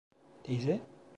Teyze?